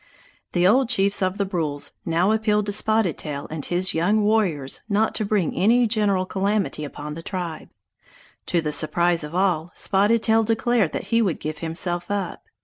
The old chiefs of the Brules now appealed to Spotted Tail and his young warriors not to bring any general calamity upon the tribe. To the surprise of all, Spotted Tail declared that he would give himself up.